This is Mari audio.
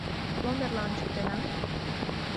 — Мом эрла ончыктена?